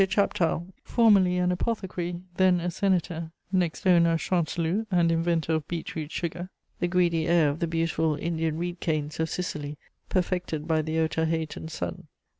Chaptal, formerly an apothecary, then a senator, next owner of Chanteloup and inventor of beetroot sugar, the greedy heir of the beautiful Indian reed canes of Sicily, perfected by the Otaheitan sun.